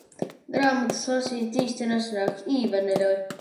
Grāmatas lasīt īsti nesanāk, Īve neļauj.